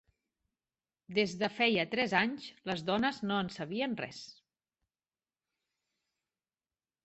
Des de feia tres anys, les dones no en sabien res.